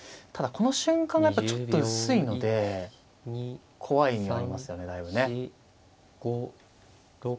ただこの瞬間がちょっと薄いので怖い意味がありますよねだいぶね。